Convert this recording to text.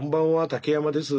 竹山です。